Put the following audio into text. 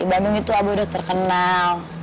di bambing itu abah udah terkenal